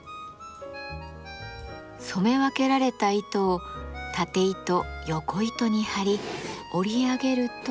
染め分けられた糸をたて糸よこ糸に張り織り上げると。